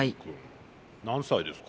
何歳ですか？